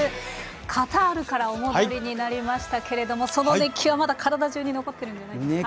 カタールからお戻りになられましたけどその熱気はまだ体じゅうに残ってるんじゃないですか？